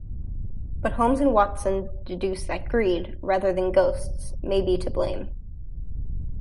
But Holmes and Watson deduce that greed, rather than ghosts, may be to blame.